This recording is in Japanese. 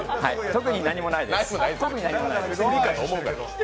特に何もないです。